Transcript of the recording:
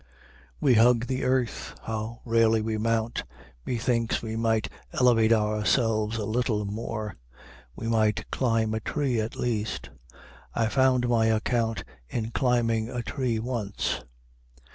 We hug the earth, how rarely we mount! Methinks we might elevate ourselves a little more. We might climb a tree, at least. I found my account in climbing a tree once.